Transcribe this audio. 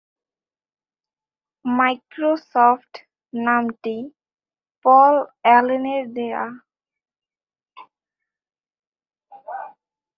Microsoft নামটি Paul অ্যালেনের দেয়া।